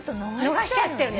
逃しちゃってる。